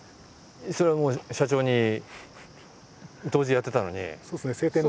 それはもう社長に杜氏やってたのに。